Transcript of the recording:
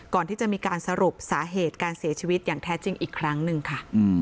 ก่อนที่จะมีการสรุปสาเหตุการเสียชีวิตอย่างแท้จริงอีกครั้งหนึ่งค่ะ